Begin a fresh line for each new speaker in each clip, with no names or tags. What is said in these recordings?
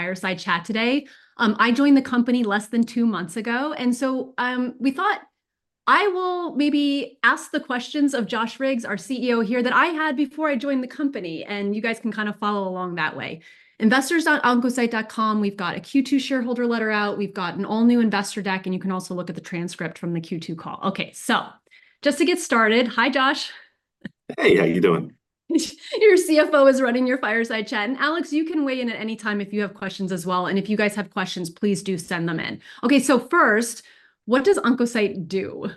Fireside chat today. I joined the company less than two months ago, and so, we thought I will maybe ask the questions of Josh Riggs, our CEO here, that I had before I joined the company, and you guys can kind of follow along that way. Investors.oncocyte.com, we've got a Q2 shareholder letter out, we've got an all-new investor deck, and you can also look at the transcript from the Q2 call. Okay, so just to get started, hi, Josh!
Hey, how you doing?
Your CFO is running your fireside chat. Alex, you can weigh in at any time if you have questions as well, and if you guys have questions, please do send them in. Okay, so first, what does Oncocyte do?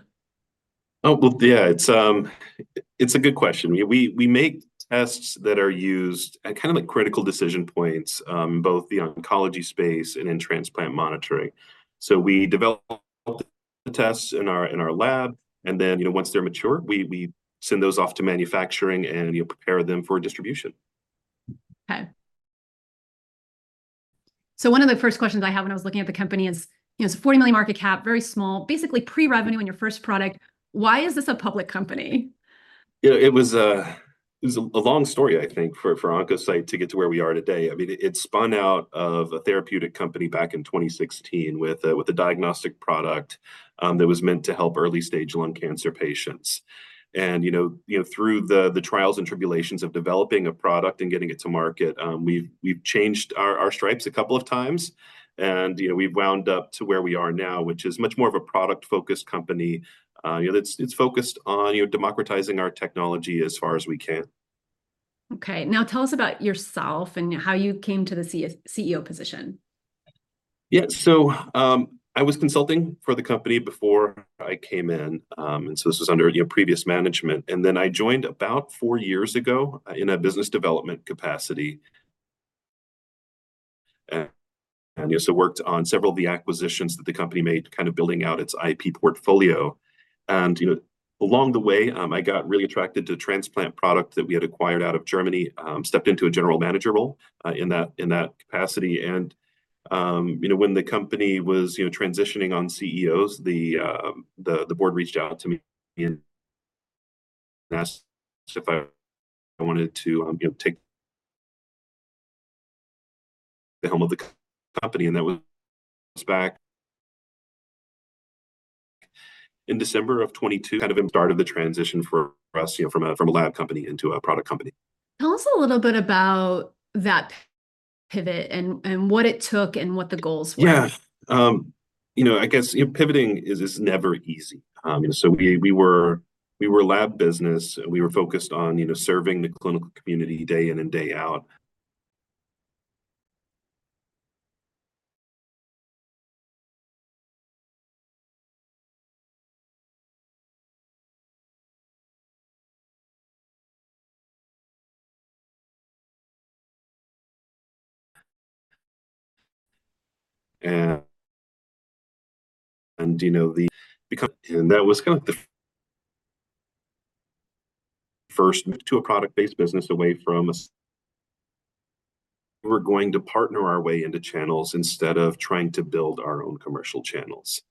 Oh, well, yeah, it's a good question. We make tests that are used at kind of like critical decision points, both the oncology space and in transplant monitoring. So we develop the tests in our lab, and then, you know, once they're mature, we send those off to manufacturing and, you know, prepare them for distribution.
Okay. So one of the first questions I had when I was looking at the company is, you know, it's a $40 million market cap, very small, basically pre-revenue on your first product. Why is this a public company?
You know, it was a long story, I think, for Oncocyte to get to where we are today. I mean, it spun out of a therapeutic company back in 2016 with a diagnostic product that was meant to help early-stage lung cancer patients. You know, through the trials and tribulations of developing a product and getting it to market, we've changed our stripes a couple of times. You know, we've wound up to where we are now, which is much more of a product-focused company. You know, it's focused on, you know, democratizing our technology as far as we can.
Okay. Now tell us about yourself and how you came to the CEO position?
Yeah, so, I was consulting for the company before I came in. And so this was under, you know, previous management, and then I joined about four years ago, in a business development capacity. And, you know, so worked on several of the acquisitions that the company made, kind of building out its IP portfolio. And, you know, along the way, I got really attracted to the transplant product that we had acquired out of Germany. Stepped into a general manager role in that capacity and, you know, when the company was, you know, transitioning on CEOs, the board reached out to me and asked if I wanted to, you know, take the helm of the company, and that was back in December of 2022, kind of, and started the transition for us, you know, from a lab company into a product company.
Tell us a little bit about that pivot and what it took and what the goals were?
Yeah, you know, I guess, you know, pivoting is never easy. So we were a lab business, and we were focused on, you know, serving the clinical community day in and day out. And, you know, that was kind of the first to a product-based business away from a... We were going to partner our way into channels instead of trying to build our own commercial channels.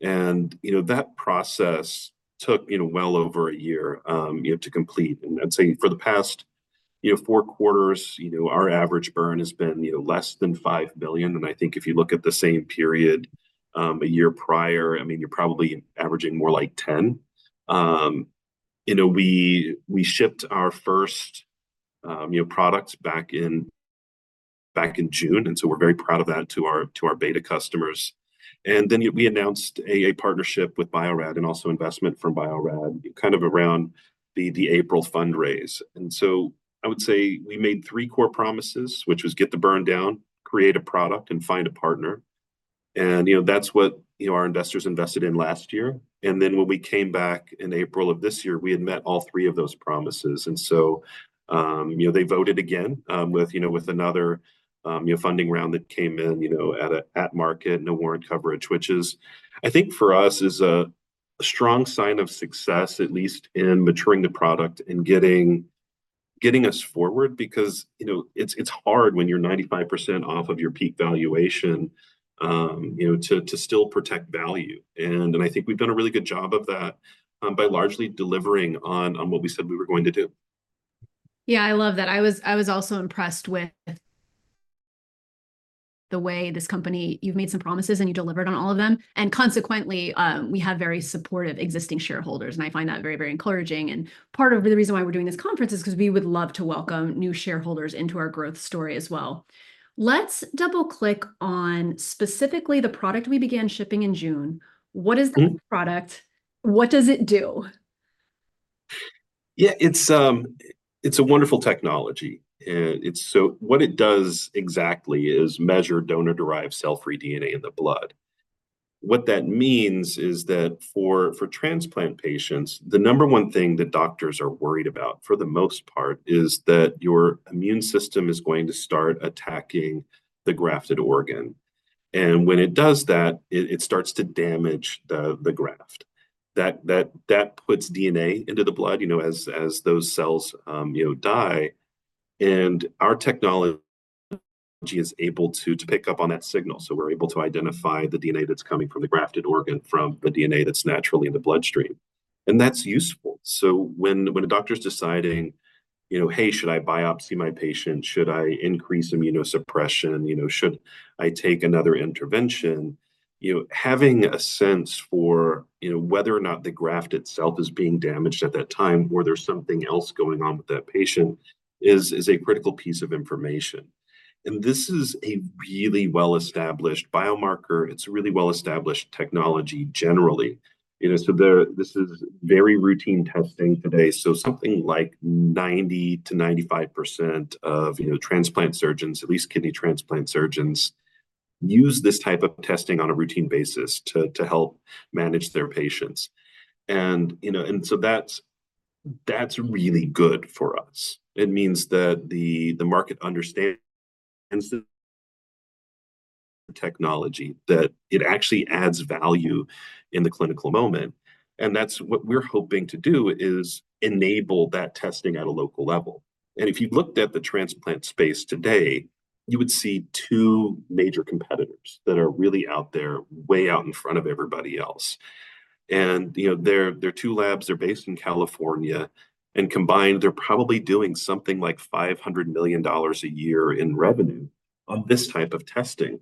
And, you know, that process took, you know, well over a year, you know, to complete. And I'd say for the past four quarters, you know, our average burn has been, you know, less than $5 million. And I think if you look at the same period a year prior, I mean, you're probably averaging more like 10. You know, we shipped our first, you know, products back in June, and so we're very proud of that, to our beta customers. And then we announced a partnership with Bio-Rad and also investment from Bio-Rad, kind of around the April fundraise. And so I would say we made three core promises, which was get the burn down, create a product, and find a partner. And, you know, that's what, you know, our investors invested in last year. And then when we came back in April of this year, we had met all three of those promises, and so, you know, they voted again, with, you know, with another, you know, funding round that came in, you know, at market, no warrant coverage. Which is, I think, for us is a strong sign of success, at least in maturing the product and getting us forward because, you know, it's hard when you're 95% off of your peak valuation, you know, to still protect value. And I think we've done a really good job of that, by largely delivering on what we said we were going to do.
Yeah, I love that. I was also impressed with the way this company... You've made some promises, and you delivered on all of them, and consequently, we have very supportive existing shareholders, and I find that very, very encouraging. And part of the reason why we're doing this conference is because we would love to welcome new shareholders into our growth story as well. Let's double-click on specifically the product we began shipping in June.
Mm-hmm.
What is that product? What does it do?
Yeah, it's a wonderful technology, and it's so what it does exactly is measure donor-derived cell-free DNA in the blood. What that means is that for transplant patients, the number one thing that doctors are worried about, for the most part, is that your immune system is going to start attacking the grafted organ. And when it does that, it starts to damage the graft. That puts DNA into the blood, you know, as those cells, you know, die, and our technology is able to pick up on that signal. So we're able to identify the DNA that's coming from the grafted organ from the DNA that's naturally in the bloodstream... and that's useful. So when a doctor's deciding, you know, "Hey, should I biopsy my patient? Should I increase immunosuppression? You know, should I take another intervention?" You know, having a sense for, you know, whether or not the graft itself is being damaged at that time, or there's something else going on with that patient, is a critical piece of information. And this is a really well-established biomarker. It's a really well-established technology generally. You know, so this is very routine testing today, so something like 90%-95% of, you know, transplant surgeons, at least kidney transplant surgeons, use this type of testing on a routine basis to help manage their patients. And, you know, and so that's really good for us. It means that the market understands the technology, that it actually adds value in the clinical moment, and that's what we're hoping to do, is enable that testing at a local level. If you looked at the transplant space today, you would see two major competitors that are really out there, way out in front of everybody else. You know, their two labs are based in California, and combined, they're probably doing something like $500 million a year in revenue on this type of testing.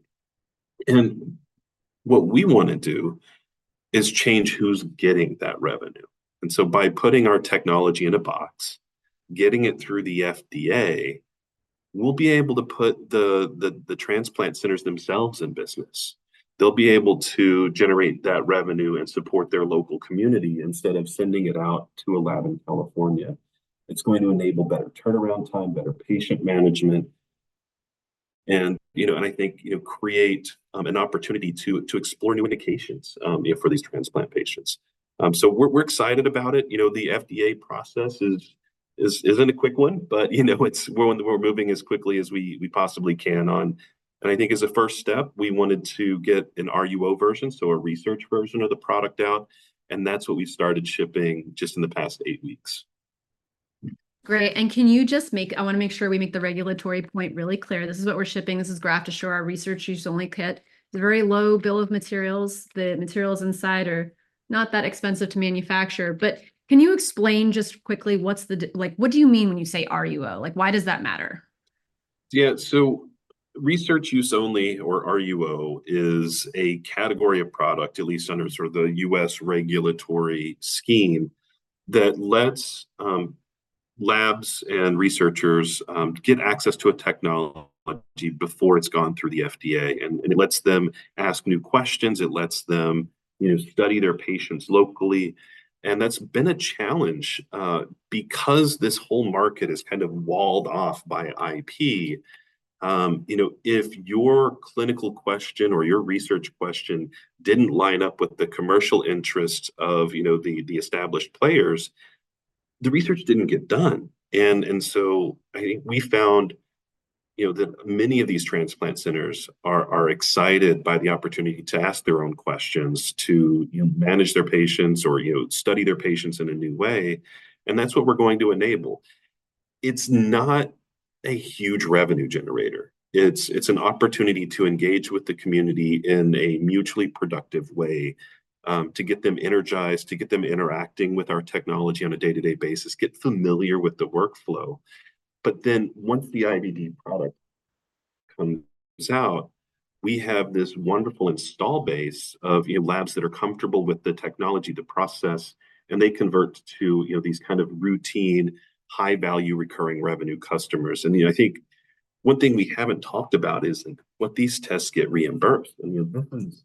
What we want to do is change who's getting that revenue. So by putting our technology in a box, getting it through the FDA, we'll be able to put the transplant centers themselves in business. They'll be able to generate that revenue and support their local community, instead of sending it out to a lab in California. It's going to enable better turnaround time, better patient management, and, you know, and I think, you know, create an opportunity to explore new indications, you know, for these transplant patients. So we're excited about it. You know, the FDA process isn't a quick one, but, you know, it's one that we're moving as quickly as we possibly can on. And I think as a first step, we wanted to get an RUO version, so a research version of the product out, and that's what we started shipping just in the past 8 weeks.
Great, and can you just I want to make sure we make the regulatory point really clear. This is what we're shipping. This is GraftAssure. Our Research Use Only kit. It's a very low bill of materials. The materials inside are not that expensive to manufacture. But can you explain just quickly, what's the, like, what do you mean when you say RUO? Like, why does that matter?
Yeah. So Research Use Only, or RUO, is a category of product, at least under sort of the US regulatory scheme, that lets labs and researchers get access to a technology before it's gone through the FDA, and it lets them ask new questions. It lets them, you know, study their patients locally, and that's been a challenge. Because this whole market is kind of walled off by IP, you know, if your clinical question or your research question didn't line up with the commercial interests of, you know, the established players, the research didn't get done. and so I think we found, you know, that many of these transplant centers are excited by the opportunity to ask their own questions, to, you know, manage their patients or, you know, study their patients in a new way, and that's what we're going to enable. It's not a huge revenue generator. It's an opportunity to engage with the community in a mutually productive way, to get them energized, to get them interacting with our technology on a day-to-day basis, get familiar with the workflow. But then, once the IVD product comes out, we have this wonderful installed base of, you know, labs that are comfortable with the technology, the process, and they convert to, you know, these kind of routine, high-value, recurring revenue customers. And, you know, I think one thing we haven't talked about is what these tests get reimbursed. And, you know, that one's.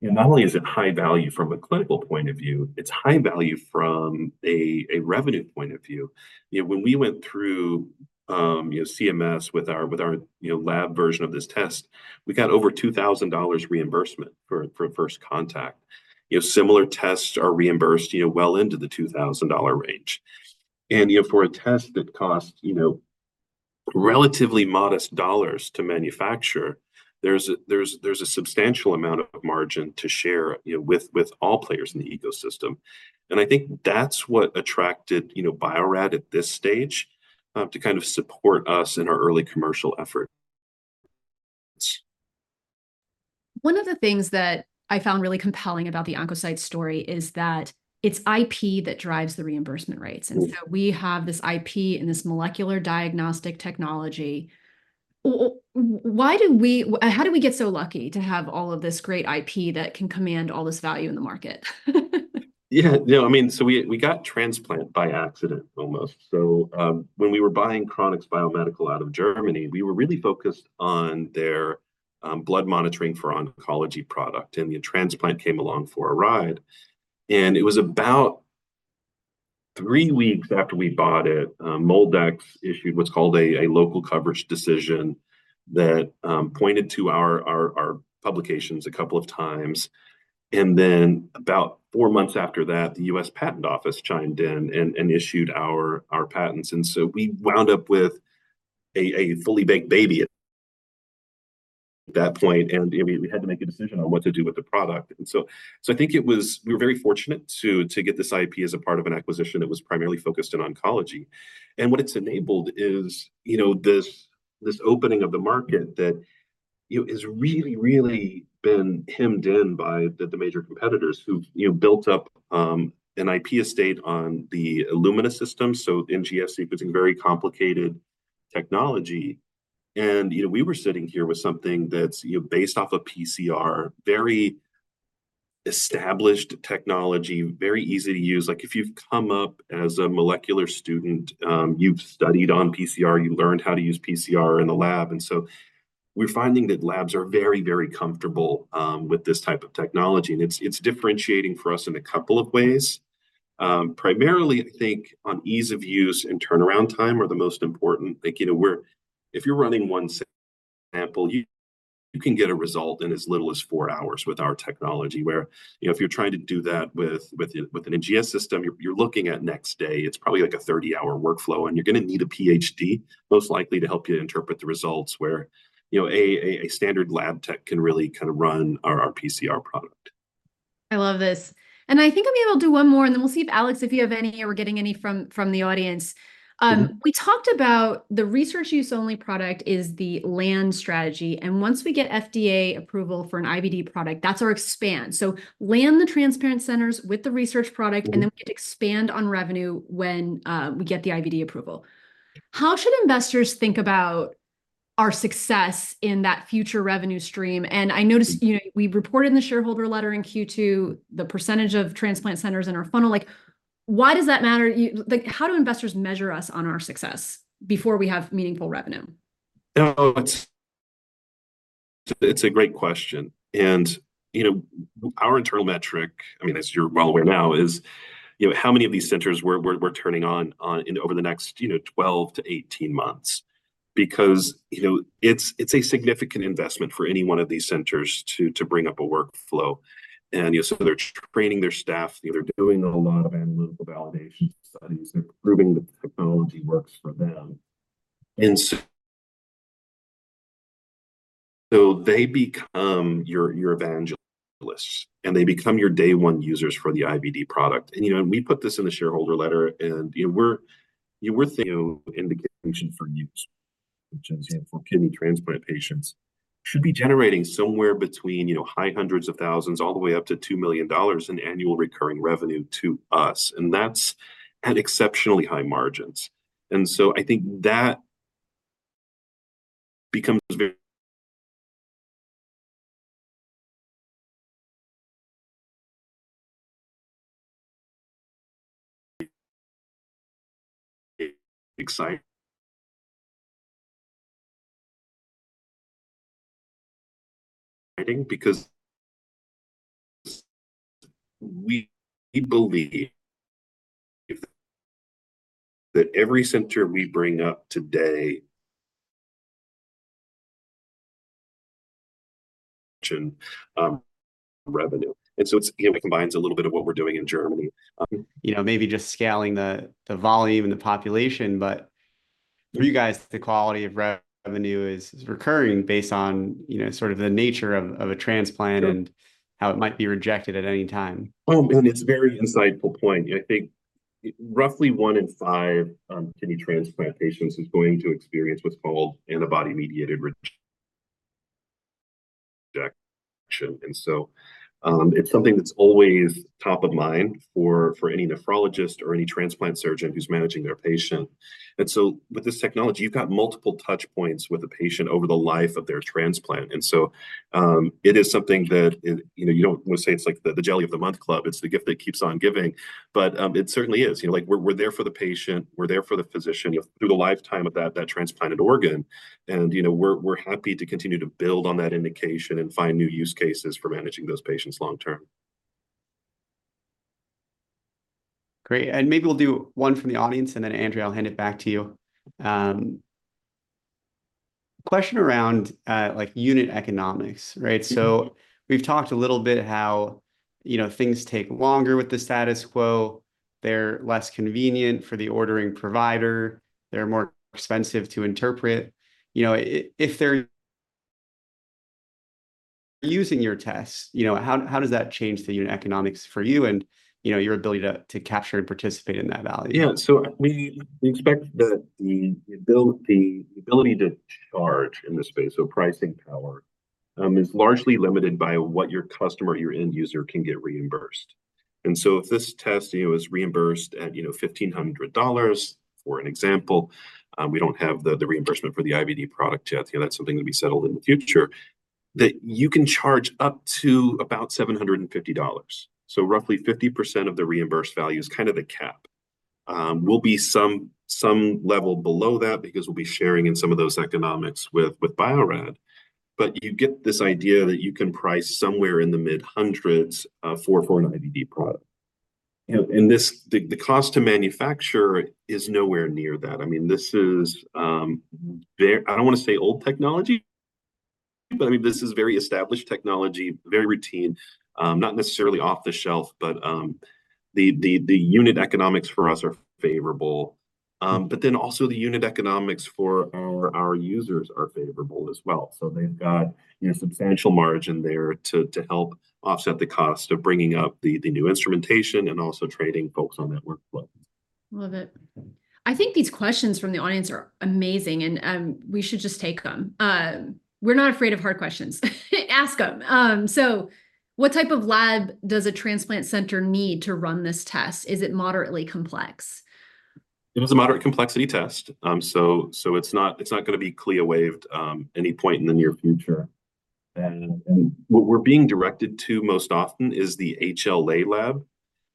You know, not only is it high value from a clinical point of view, it's high value from a revenue point of view. You know, when we went through, you know, CMS with our lab version of this test, we got over $2,000 reimbursement for first contact. You know, similar tests are reimbursed, you know, well into the $2,000 range. And, you know, for a test that costs, you know, relatively modest dollars to manufacture, there's a substantial amount of margin to share, you know, with all players in the ecosystem. And I think that's what attracted, you know, Bio-Rad at this stage, to kind of support us in our early commercial effort.
One of the things that I found really compelling about the Oncocyte story is that it's IP that drives the reimbursement rates.
Mm.
And so we have this IP and this molecular diagnostic technology. Why do we... how did we get so lucky to have all of this great IP that can command all this value in the market?
Yeah. No, I mean, so we got transplant by accident almost. So, when we were buying Chronix Biomedical out of Germany, we were really focused on their blood monitoring for oncology product, and the transplant came along for a ride. And it was about 3 weeks after we bought it, MolDX issued what's called a local coverage decision that pointed to our publications a couple of times. And then, about 4 months after that, the US Patent Office chimed in and issued our patents. And so we wound up with a fully baked baby at that point, and, you know, we had to make a decision on what to do with the product. So I think we were very fortunate to get this IP as a part of an acquisition that was primarily focused in oncology. And what it's enabled is, you know, this, this opening of the market that you know, is really, really been hemmed in by the, the major competitors who've, you know, built up an IP estate on the Illumina system, so NGS sequencing, very complicated technology. And, you know, we were sitting here with something that's, you know, based off of PCR, very established technology, very easy to use. Like, if you've come up as a molecular student, you've studied on PCR, you learned how to use PCR in the lab. And so we're finding that labs are very, very comfortable with this type of technology, and it's, it's differentiating for us in a couple of ways. Primarily, I think on ease of use and turnaround time are the most important. Like, you know, we're if you're running one sample, you can get a result in as little as four hours with our technology, where, you know, if you're trying to do that with an NGS system, you're looking at next day. It's probably, like, a 30-hour workflow, and you're going to need a PhD most likely to help you interpret the results where, you know, a standard lab tech can really kind of run our PCR product.
I love this. And I think I'll be able to do one more, and then we'll see if, Alex, if you have any or we're getting any from, from the audience. We talked about the Research Use Only product is the land strategy, and once we get FDA approval for an IVD product, that's our expand. So land the transplant centers with the research product-
Mm.
Then we get to expand on revenue when we get the IVD approval. How should investors think about our success in that future revenue stream? And I noticed, you know, we reported in the shareholder letter in Q2, the percentage of transplant centers in our funnel. Like, why does that matter? Like, how do investors measure us on our success before we have meaningful revenue?
Oh, it's a great question. And, you know, our internal metric, I mean, as you're well aware now, is, you know, how many of these centers we're turning on in over the next, you know, 12-18 months. Because, you know, it's a significant investment for any one of these centers to bring up a workflow. And, you know, so they're training their staff, they're doing a lot of analytical validation studies. They're proving that the technology works for them. And so they become your evangelists, and they become your day one users for the IVD product. You know, and we put this in the shareholder letter, and, you know, we're, you know, we're thinking indication for use, which is, you know, for kidney transplant patients, should be generating somewhere between, you know, high hundreds of thousands, all the way up to $2 million in annual recurring revenue to us, and that's at exceptionally high margins. So I think that becomes very exciting because we believe that every center we bring up today revenue. So it's, you know, it combines a little bit of what we're doing in Germany.
You know, maybe just scaling the volume and the population, but for you guys, the quality of revenue is recurring based on, you know, sort of the nature of a transplant-
Sure... and how it might be rejected at any time. Well, it's a very insightful point. I think roughly one in five kidney transplant patients is going to experience what's called antibody-mediated rejection. And so, it's something that's always top of mind for any nephrologist or any transplant surgeon who's managing their patient. And so with this technology, you've got multiple touch points with the patient over the life of their transplant. And so, it is something that, you know, you don't want to say it's like the Jelly of the Month Club, it's the gift that keeps on giving. But, it certainly is. You know, like, we're there for the patient, we're there for the physician, through the lifetime of that transplanted organ. And, you know, we're happy to continue to build on that indication and find new use cases for managing those patients long term.
Great. And maybe we'll do one from the audience, and then, Andrea, I'll hand it back to you. Question around, like, unit economics, right?
Mm-hmm.
So we've talked a little bit how, you know, things take longer with the status quo. They're less convenient for the ordering provider, they're more expensive to interpret. You know, if they're using your test, you know, how does that change the unit economics for you and, you know, your ability to capture and participate in that value?
Yeah. So we expect that the ability to charge in this space, so pricing power, is largely limited by what your customer, your end user, can get reimbursed. And so if this test, you know, is reimbursed at, you know, $1,500, for an example, we don't have the reimbursement for the IVD product yet, you know, that's something to be settled in the future, that you can charge up to about $750. So roughly 50% of the reimbursed value is kind of the cap. Will be some level below that because we'll be sharing in some of those economics with Bio-Rad. But you get this idea that you can price somewhere in the mid hundreds for an IVD product. You know, and this, the cost to manufacture is nowhere near that. I mean, this is very... I don't want to say old technology, but, I mean, this is very established technology, very routine. Not necessarily off the shelf, but the unit economics for us are favorable. But then also the unit economics for our users are favorable as well. So they've got, you know, substantial margin there to help offset the cost of bringing up the new instrumentation and also training folks on that workflow....
Love it. I think these questions from the audience are amazing, and we should just take them. We're not afraid of hard questions. Ask them! So what type of lab does a transplant center need to run this test? Is it moderately complex?
It is a moderate complexity test. So it's not gonna be CLIA waived any point in the near future. And what we're being directed to most often is the HLA lab,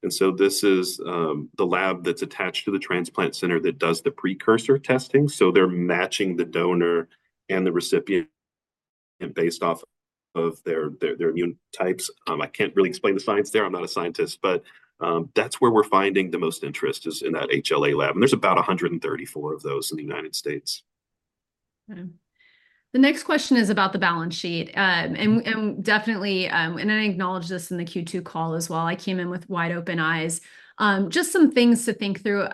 and so this is the lab that's attached to the transplant center that does the precursor testing, so they're matching the donor and the recipient based off of their immune types. I can't really explain the science there. I'm not a scientist, but that's where we're finding the most interest is in that HLA lab, and there's about 134 of those in the United States.
Okay. The next question is about the balance sheet, and definitely, and I acknowledged this in the Q2 call as well, I came in with wide-open eyes. Just some things to think through.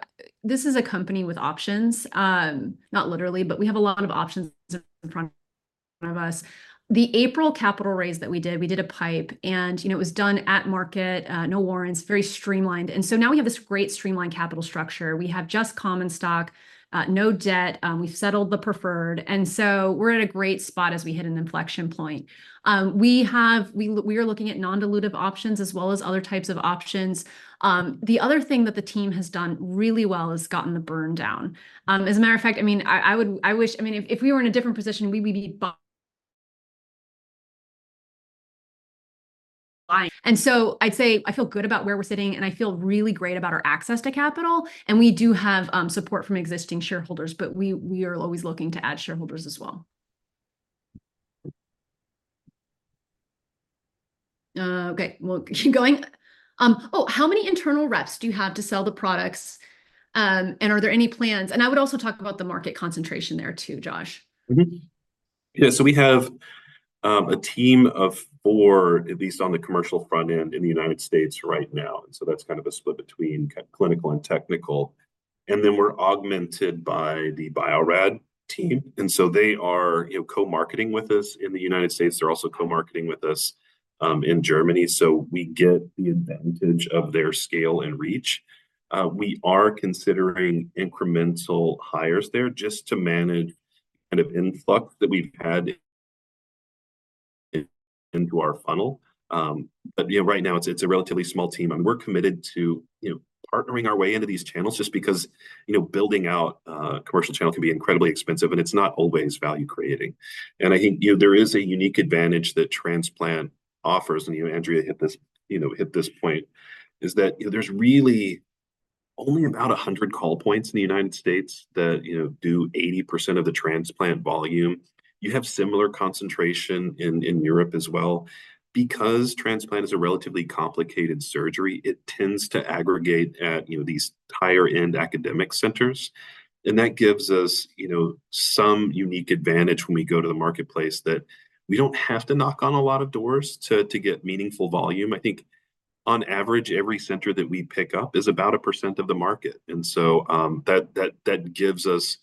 This is a company with options. Not literally, but we have a lot of options in front of us. The April capital raise that we did, we did a PIPE, and, you know, it was done at market, no warrants, very streamlined, and so now we have this great streamlined capital structure. We have just common stock, no debt, we've settled the preferred, and so we're in a great spot as we hit an inflection point. We are looking at non-dilutive options as well as other types of options. The other thing that the team has done really well is gotten the burn down. As a matter of fact, I mean, I would... I wish, I mean, if we were in a different position. So I'd say I feel good about where we're sitting, and I feel really great about our access to capital, and we do have support from existing shareholders, but we are always looking to add shareholders as well. Okay, we'll keep going. Oh, how many internal reps do you have to sell the products, and are there any plans? And I would also talk about the market concentration there too, Josh.
Mm-hmm. Yeah, so we have a team of four, at least on the commercial front end in the United States right now, and so that's kind of a split between key clinical and technical. And then we're augmented by the Bio-Rad team, and so they are, you know, co-marketing with us in the United States. They're also co-marketing with us in Germany, so we get the advantage of their scale and reach. We are considering incremental hires there just to manage the kind of influx that we've had into our funnel. But, you know, right now it's a relatively small team, and we're committed to, you know, partnering our way into these channels just because, you know, building out a commercial channel can be incredibly expensive, and it's not always value creating. I think, you know, there is a unique advantage that transplant offers, and, you know, Andrea hit this point, is that, you know, there's really only about 100 call points in the United States that, you know, do 80% of the transplant volume. You have similar concentration in Europe as well. Because transplant is a relatively complicated surgery, it tends to aggregate at, you know, these higher-end academic centers, and that gives us, you know, some unique advantage when we go to the marketplace that we don't have to knock on a lot of doors to get meaningful volume. I think on average, every center that we pick up is about 1% of the market, and so, that gives us,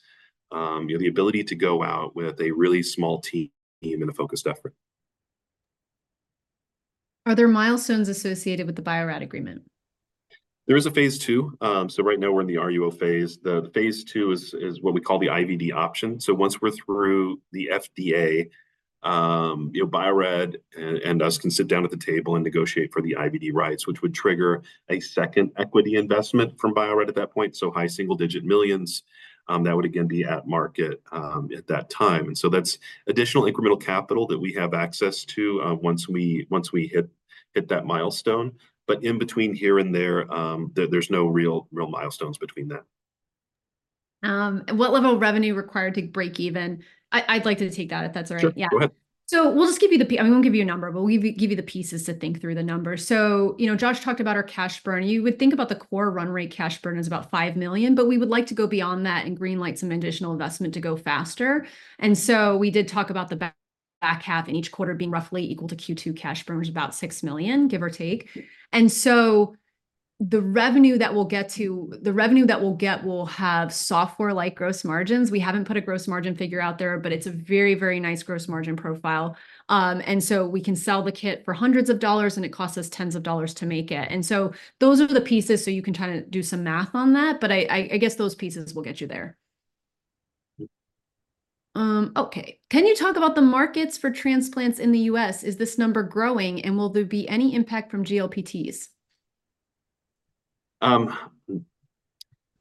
you know, the ability to go out with a really small team and a focused effort.
Are there milestones associated with the Bio-Rad agreement?
There is a phase II. So right now we're in the RUO phase. The phase II is, is what we call the IVD option. So once we're through the FDA, you know, Bio-Rad and us can sit down at the table and negotiate for the IVD rights, which would trigger a second equity investment from Bio-Rad at that point, so dollar high single-digit millions. That would again be at market, at that time. And so that's additional incremental capital that we have access to, once we, once we hit, hit that milestone. But in between here and there, there's no real, real milestones between that.
What level of revenue required to break even? I'd like to take that, if that's all right.
Sure.
Yeah.
Go ahead.
So we'll just give you, I won't give you a number, but we'll give you, give you the pieces to think through the numbers. So, you know, Josh talked about our cash burn. You would think about the core run rate cash burn is about $5 million, but we would like to go beyond that and greenlight some additional investment to go faster. And so we did talk about the back, back half in each quarter being roughly equal to Q2 cash burn, was about $6 million, give or take. And so the revenue that we'll get to, the revenue that we'll get will have software-like gross margins. We haven't put a gross margin figure out there, but it's a very, very nice gross margin profile. And so we can sell the kit for hundreds of dollars, and it costs us tens of dollars to make it. And so those are the pieces, so you can try to do some math on that, but I guess those pieces will get you there. Okay. Can you talk about the markets for transplants in the U.S.? Is this number growing, and will there be any impact from GLP-1s?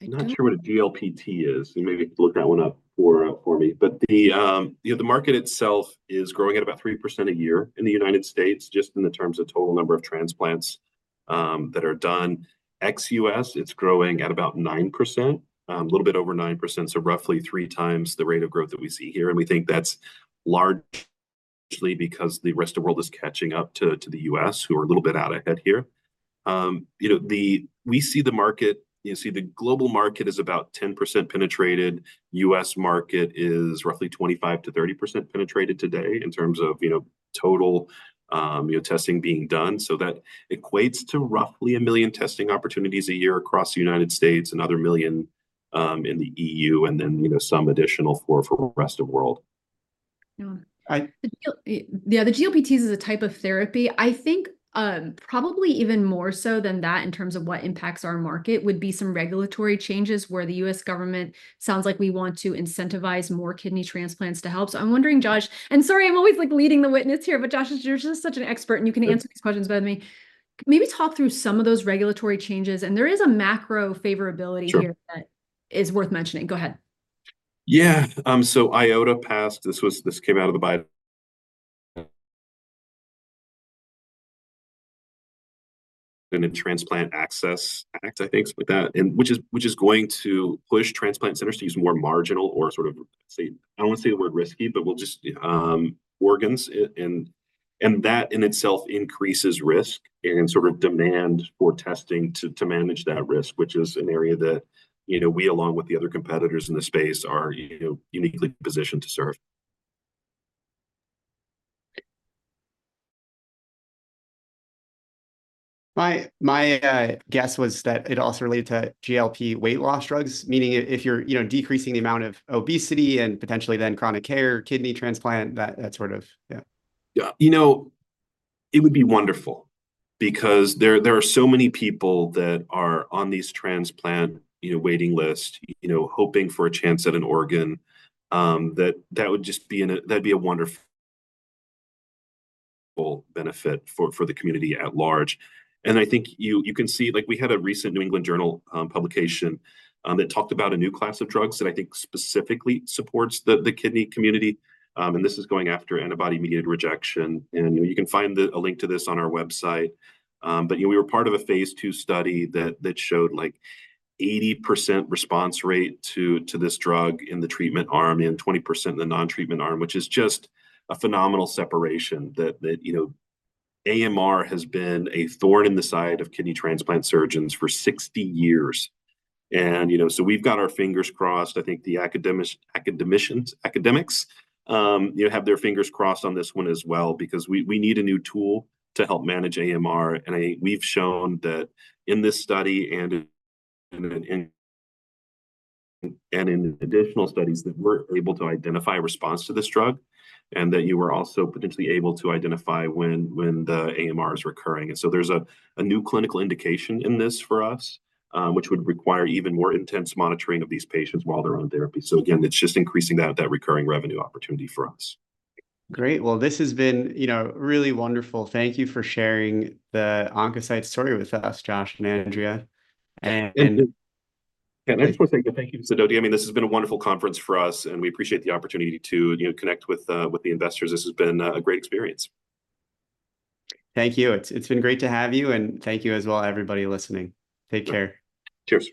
I'm not sure what a GLPT is. You maybe have to look that one up for me. But you know, the market itself is growing at about 3% a year in the United States, just in the terms of total number of transplants that are done. Ex-US, it's growing at about 9%, a little bit over 9%, so roughly three times the rate of growth that we see here, and we think that's largely because the rest of world is catching up to the US, who are a little bit out ahead here. You know, we see the market, you see the global market is about 10% penetrated. US market is roughly 25%-30% penetrated today in terms of, you know, total, you know, testing being done. That equates to roughly 1 million testing opportunities a year across the United States, another 1 million in the EU, and then, you know, some additional for rest of world....
Yeah, well, the, yeah, the GLP-1s is a type of therapy. I think, probably even more so than that in terms of what impacts our market, would be some regulatory changes where the U.S. government sounds like we want to incentivize more kidney transplants to help. So I'm wondering, Josh, and sorry, I'm always, like, leading the witness here, but Josh, you're just such an expert, and you can answer these questions better than me. Maybe talk through some of those regulatory changes, and there is a macro favorability here-
Sure...
that is worth mentioning. Go ahead.
Yeah, so NOTA passed, this was, this came out of the Biden... and the Transplant Access Act, I think, something like that, and which is, which is going to push transplant centers to use more marginal or sort of, say, I don't want to say the word risky, but we'll just, organs, and, and that in itself increases risk and sort of demand for testing to, to manage that risk, which is an area that, you know, we, along with the other competitors in the space, are, you know, uniquely positioned to serve.
My guess was that it also related to GLP weight loss drugs, meaning if you're, you know, decreasing the amount of obesity and potentially then chronic care, kidney transplant, that sort of... Yeah.
Yeah. You know, it would be wonderful because there are so many people that are on these transplant waiting list, you know, hoping for a chance at an organ. That would just be a wonderful benefit for the community at large. And I think you can see, like, we had a recent New England Journal publication that talked about a new class of drugs that I think specifically supports the kidney community. And this is going after antibody-mediated rejection, and you can find a link to this on our website. But, you know, we were part of a phase II study that showed, like, 80% response rate to this drug in the treatment arm and 20% in the non-treatment arm, which is just a phenomenal separation, that, you know, AMR has been a thorn in the side of kidney transplant surgeons for 60 years. And, you know, so we've got our fingers crossed. I think the academics, academicians, you know, have their fingers crossed on this one as well, because we need a new tool to help manage AMR, and we've shown that in this study and in additional studies, that we're able to identify a response to this drug, and that you are also potentially able to identify when the AMR is recurring. So there's a new clinical indication in this for us, which would require even more intense monitoring of these patients while they're on therapy. So again, it's just increasing that recurring revenue opportunity for us.
Great. Well, this has been, you know, really wonderful. Thank you for sharing the Oncocyte story with us, Josh and Andrea. And-
I just want to say thank you to Sidoti. I mean, this has been a wonderful conference for us, and we appreciate the opportunity to, you know, connect with, with the investors. This has been a great experience.
Thank you. It's been great to have you, and thank you as well, everybody listening. Take care.
Cheers.